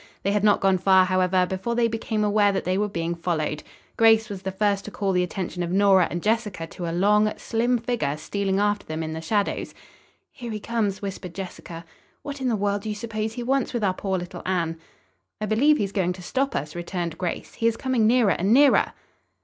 They had not gone far, however, before they became aware that they were being followed. Grace was the first to call the attention of Nora and Jessica to a long, slim figure stealing after them in the shadows. "Here he comes," whispered Jessica. "What in the world do you suppose he wants with our poor little Anne?" "I believe he's going to stop us," returned Grace. "He is coming nearer and nearer."